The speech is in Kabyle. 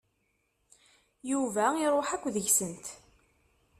Yuba iṛuḥ akk deg-sent.